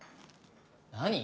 何？